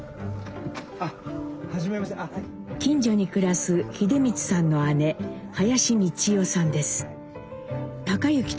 近所に暮らす英光さんの姉林三千代さんです。